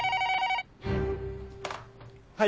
はい。